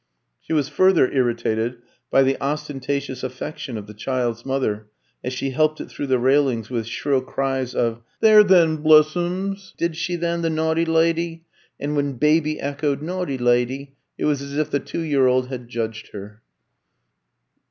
She was further irritated by the ostentatious affection of the child's mother as she helped it through the railings with shrill cries of "There then, blessums! Did she then, the naughty lydy!" And when baby echoed "Naughty lydy!" it was as if the two year old had judged her.